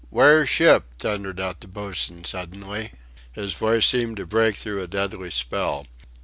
Wear ship!" thundered out the boatswain suddenly. His voice seemed to break through a deadly spell.